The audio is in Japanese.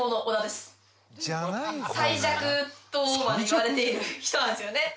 最弱とまでいわれている人なんですよね。